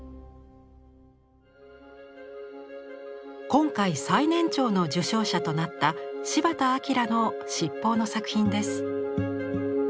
今回最年長の受賞者となった柴田明の七宝の作品です。